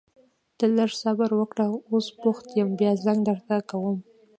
ته لږ صبر وکړه، اوس بوخت يم بيا زنګ درته کوم.